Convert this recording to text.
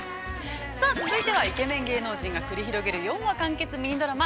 ◆続いてはイケメン芸能人が繰り広げる、４話完結ミニドラマ。